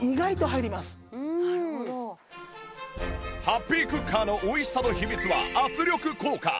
ハッピークッカーの美味しさの秘密は圧力効果